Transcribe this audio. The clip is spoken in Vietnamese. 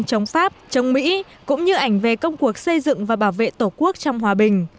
chống pháp chống mỹ cũng như ảnh về công cuộc xây dựng và bảo vệ tổ quốc trong hòa bình